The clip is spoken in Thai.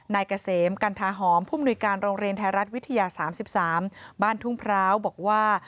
เกษมกันทาหอมผู้มนุยการโรงเรียนไทยรัฐวิทยา๓๓บ้านทุ่งพร้าวบอกว่า